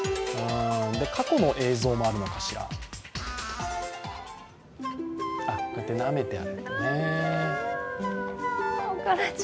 過去の映像もあるのかしら。